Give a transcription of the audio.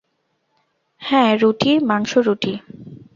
হ্যাঁ, রুটি, মাংস, রুটি।